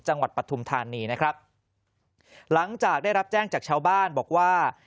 ปฐุมธานีนะครับหลังจากได้รับแจ้งจากชาวบ้านบอกว่า